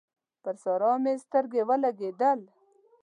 پر سارا مې سترګې ولګېدل